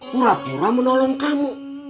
pura pura menolong kamu